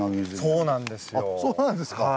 あそうなんですか。